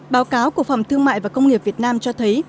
báo cáo của phòng thương mại và công nghiệp việt nam cho thấy